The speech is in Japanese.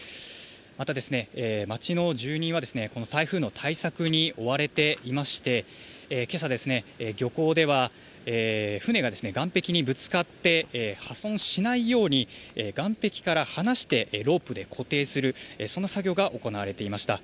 またですね、街の住人は、この台風の対策に追われていまして、けさですね、漁港では船が岸壁にぶつかって、破損しないように、岸壁から離してロープで固定する、そんな作業が行われていました。